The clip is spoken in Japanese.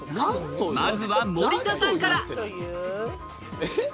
まずは森田さんから。